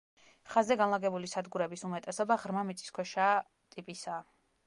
ხაზზე განლაგებული სადგურების უმეტესობა ღრმა მიწისქვეშა ტიპისაა.